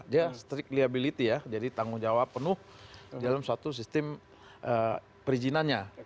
dia strict liability ya jadi tanggung jawab penuh dalam suatu sistem perizinannya